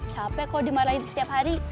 capek kok dimarahin setiap hari